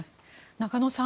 中野さん